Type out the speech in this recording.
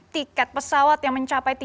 tiket pesawat yang mencapai